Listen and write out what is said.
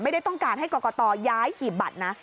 ไม่ได้ต้องการให้กรกตย้ายหีบบัตรนะ